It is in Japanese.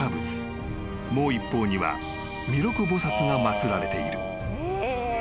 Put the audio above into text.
［もう一方には弥勒菩薩が祭られている］